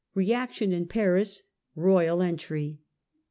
Reaction in Paris. Royal Entry.